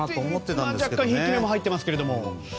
まあ若干、ひいき目も入ってますけども。